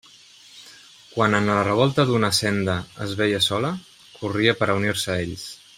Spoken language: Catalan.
Quan en la revolta d'una senda es veia sola, corria per a unir-se a ells.